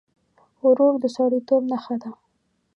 ورور د سړيتوب نښه ده.